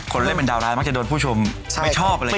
เล่นเป็นดาวร้ายมักจะโดนผู้ชมไม่ชอบอะไรอย่างนี้